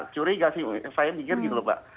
curiga sih saya pikir gitu loh pak